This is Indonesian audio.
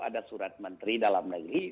ada surat menteri dalam negeri